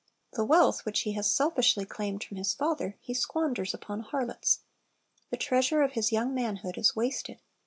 The wealth which he has selfishly claimed from his father he squanders upon harlots. The treasure of his young manhood is wasted.